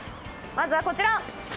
まずはこちら。